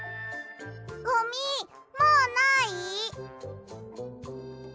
ゴミもうない？